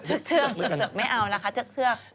เชือกไม่เอาแล้วคะเชือก